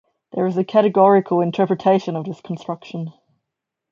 There is a categorical interpretation of this construction.